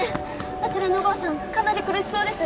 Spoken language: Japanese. あちらのおばあさんかなり苦しそうです